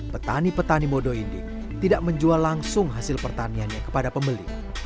petani petani modo indi tidak menjual langsung hasil pertaniannya kepada pembeli